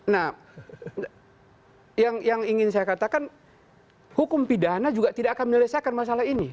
nah yang ingin saya katakan hukum pidana juga tidak akan menyelesaikan masalah ini